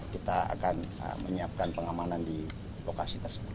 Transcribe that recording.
kita akan menyiapkan pengamanan di lokasi tersebut